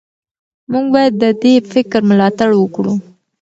موږ باید د دې فکر ملاتړ وکړو.